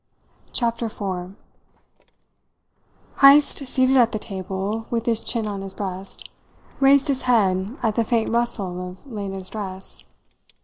CHAPTER FOUR Heyst, seated at the table with his chin on his breast, raised his head at the faint rustle of Lena's dress.